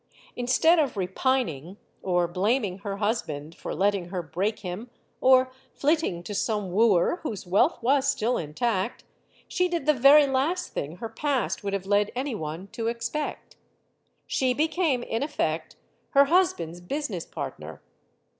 Instead of repining, or blaming her husband for letting her break him, or flitting to some wooer whose wealth was still intact, she did the very last thing her past would have led any one to expect. She became, in effect, her husband's business part ner.